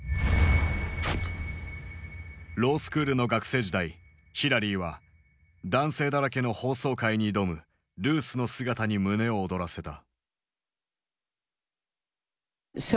ロースクールの学生時代ヒラリーは男性だらけの法曹界に挑むルースの姿に胸を躍らせた。